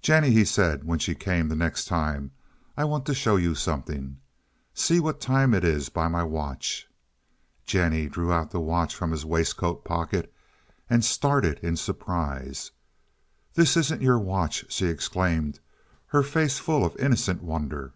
"Jennie," he said, when she came the next time, "I want to show you something. See what time it is by my watch." Jennie drew out the watch from his waistcoat pocket and started in surprise. "This isn't your watch!" she exclaimed, her face full of innocent wonder.